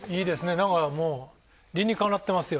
なんかもう理にかなってますよ。